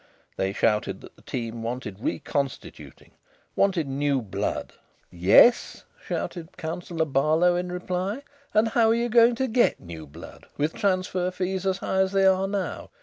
They shouted that the team wanted reconstituting, wanted new blood. "Yes," shouted Councillor Barlow in reply; "And how are you going to get new blood, with transfer fees as high as they are now?